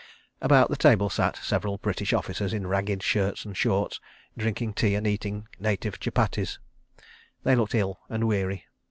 About the table sat several British officers in ragged shirts and shorts, drinking tea and eating native chupatties. They looked ill and weary.